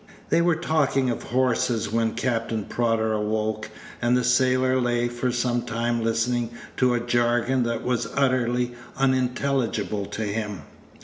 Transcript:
They were talking of horses when Captain Prodder awoke, and the sailor lay for some time listening to a jargon that was utterly unintelligible to him.